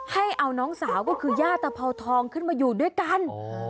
ให้เอาน้องสาวก็คือย่าตะเภาทองขึ้นมาอยู่ด้วยกัน